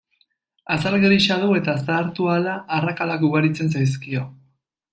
Azal grisa du eta zahartu ahala arrakalak ugaritzen zaizkio.